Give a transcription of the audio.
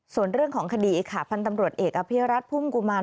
ส่วนเรื่องของคดีค่ะพันธ์ตำรวจเอกอภิรัตนพุ่มกุมาร